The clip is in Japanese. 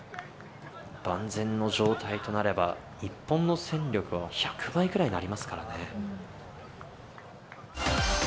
万全の状態となれば、日本の戦力は１００倍くらいになりますからね。